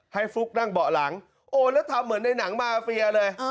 ฟลุ๊กนั่งเบาะหลังโอ้แล้วทำเหมือนในหนังมาเฟียเลย